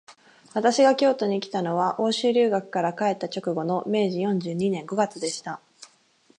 私が京都にきたのは、欧州留学から帰った直後の明治四十二年五月でした